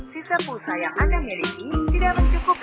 sisa pulsa yang ada milik ini tidak mencukupi